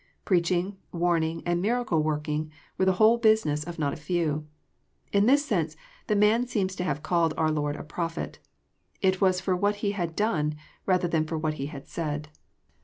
Preaching, warning, and miracle working v^e the whole business ofnot a few. In this sense the mm seems to have called our Lord •* a Prophet." It was for what He had done rather than for what Ete^had said.